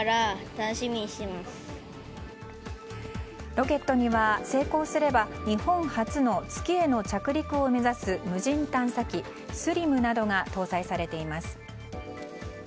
ロケットには、成功すれば日本初の月への着陸を目指す無人探査機「ＳＬＩＭ」などが搭載されています。